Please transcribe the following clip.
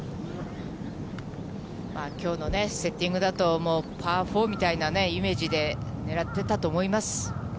きょうのね、セッティングだともう、パー４みたいなイメージで狙ってたと思います。